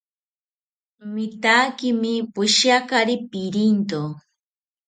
Mitaakimi poshiakari pirinto